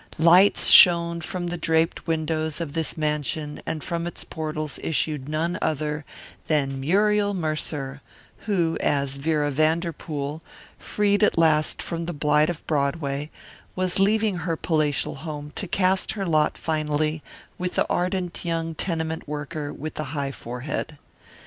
Lights shone from the draped windows of this mansion and from its portals issued none other than Muriel Mercer, who, as Vera Vanderpool, freed at last from the blight of Broadway, was leaving her palatial home to cast her lot finally with the ardent young tenement worker with the high forehead.